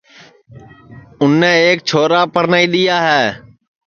اُنے ایک چھورا پرنائی دؔیا ہے